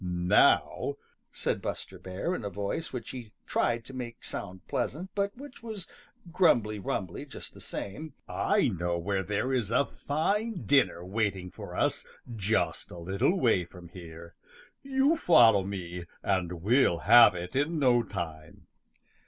"Now," said Buster Bear in a voice which he tried to make sound pleasant, but which was grumbly rumbly just the same, "I know where there is a fine dinner waiting for us just a little way from here. You follow me, and we'll have it in no time."